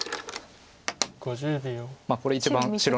これ一番白の。